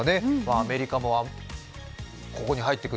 アメリカもここに入ってくる。